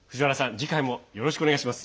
次回もよろしくお願いします。